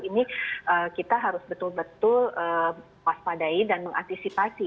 ini kita harus betul betul waspadai dan mengantisipasi